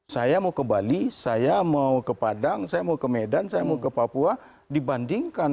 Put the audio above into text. saya mau ke bali saya mau ke padang saya mau ke medan saya mau ke papua dibandingkan